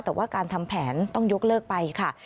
แต่ว่าการทำแผนต้องยกเลิกไปค่ะ